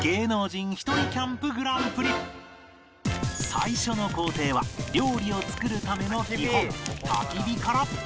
最初の工程は料理を作るための基本焚き火から